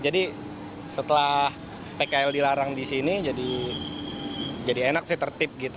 jadi setelah pkl dilarang di sini jadi enak sih tertip gitu